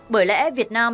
bởi lẽ việt nam